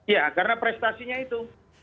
ya karena prestasinya itu